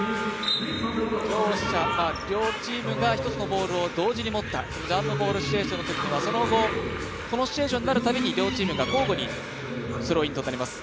両チームが１つのボールを同時に持った、ジャンプボールシチュエーションのときにはその後、このシチュエーションになるたびに、両チームが交互にスローインとなります。